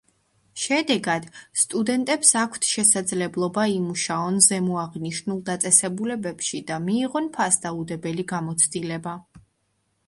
შედეგად, სტუდენტებს აქვთ შესაძლებლობა იმუშაონ ზემოაღნიშნულ დაწესებულებებში და მიიღონ ფასდაუდებელი გამოცდილება.